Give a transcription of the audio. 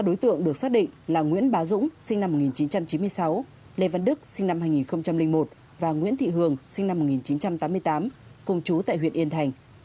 ba đối tượng được xác định là nguyễn bá dũng sinh năm một nghìn chín trăm chín mươi sáu lê văn đức sinh năm hai nghìn một và nguyễn thị hường sinh năm một nghìn chín trăm tám mươi tám cùng chú tại huyện yên thành